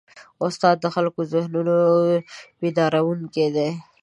استاد د خلکو د ذهنونو بیدارونکی دی.